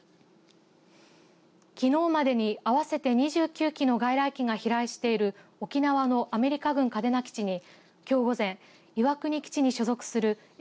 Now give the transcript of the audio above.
きのうまでに合わせて２９機の外来機が飛来している沖縄のアメリカ軍嘉手納基地にきょう午前、岩国基地に所属するＦ３５